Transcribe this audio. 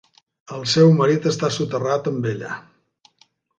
El seu marit està soterrat amb ella.